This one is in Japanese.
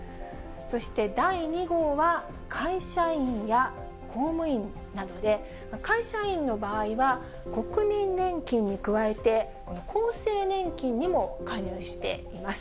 そして第２号は、会社員や公務員などで、会社員の場合は、国民年金に加えて、この厚生年金にも加入しています。